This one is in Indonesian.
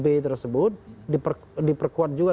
b tersebut diperkuat juga